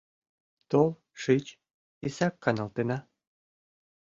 — Тол, шич, исак каналтена.